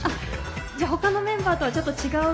じゃあ、他のメンバーとはちょっと違う。